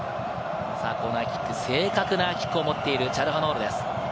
コーナーキック、正確なキックを持っているチャルハノールです。